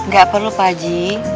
gak perlu paji